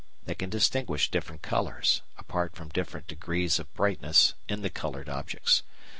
They can distinguish different colours, apart from different degrees of brightness in the coloured objects.